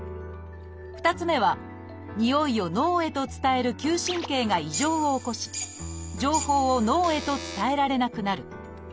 ２つ目はにおいを脳へと伝える嗅神経が異常を起こし情報を脳へと伝えられなくなる。